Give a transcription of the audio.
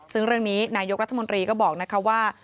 ซึ่งเรื่องนี้นายกรัฐมนตรีก็บอกนะคะว่า